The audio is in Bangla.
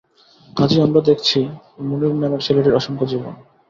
কাজেই আমরা দেখছি মুনির নামের ছেলেটির অসংখ্য জীবন।